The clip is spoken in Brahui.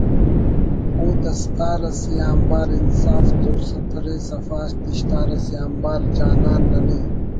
ءُ دا دستار اسے آنبار انصاف تو ستر ءِ سفا دشتار اسے آنبار جانان ننے